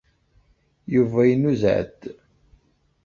Yuba inuzeɛ-d.